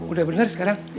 udah bener sekarang